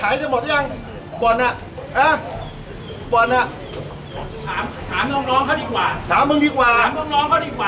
ถามถามน้องน้องเขาดีกว่าถามมึงดีกว่าน้องน้องเขาดีกว่า